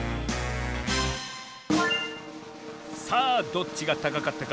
さあどっちがたかかったかみてみるぞ。